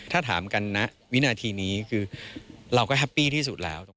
ถ้าถามกันนะวินาทีนี้คือเราก็แฮปปี้ที่สุดแล้ว